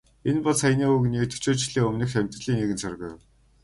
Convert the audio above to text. Энэ бол саяын өвгөний дөчөөд жилийн өмнөх амьдралын нэгэн зураг байв.